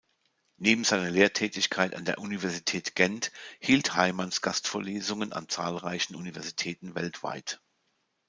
Neben seiner Lehrtätigkeit an der Universität Gent hielt Heymans Gastvorlesungen an zahlreichen Universitäten weltweit.